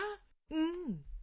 うん。